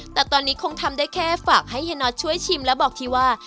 แต่ตอนนี้คงทำได้แค่ฝากให้เฮียน็อตช่วยชิมและบอกทีว่า